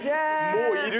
もういる！